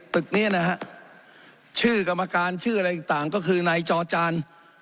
ตึกนี้นะฮะชื่อกรรมการชื่ออะไรต่างก็คือนายจอจาน